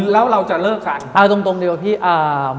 แล้วเราจะเลิกกัน